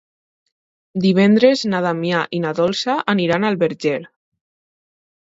Divendres na Damià i na Dolça aniran al Verger.